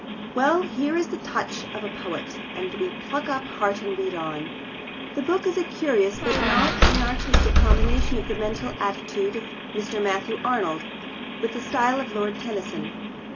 Well, here is the touch of a poet, and we pluck up heart and read on. The book is a curious but not inartistic combination of the mental attitude of Mr. Matthew Arnold with the style of Lord Tennyson.